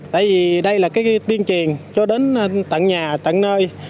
tại vì đây là cái tuyên truyền cho đến tận nhà tận nơi